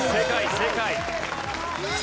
正解！